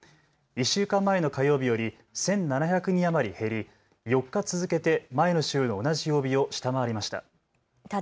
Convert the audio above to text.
１週間前の火曜日より１７００人余り減り、４日続けて前の週の同じ曜日を下回りました。